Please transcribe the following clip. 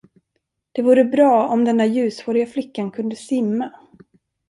Det vore bra, om den där ljushåriga flickan kunde simma.